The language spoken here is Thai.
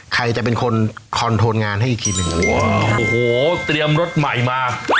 ใครจะเป็นคนคอนโทรงานให้อีกทีหนึ่งโอ้โหเตรียมรถใหม่มา